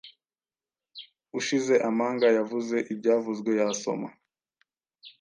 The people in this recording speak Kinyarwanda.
ushize amanga yavuze ibyavuzwe yasoma